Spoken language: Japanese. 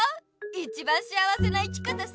いちばんしあわせな生き方さ！